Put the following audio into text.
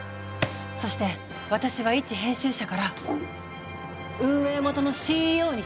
そして私はいち編集者から運営元のＣＥＯに転身する。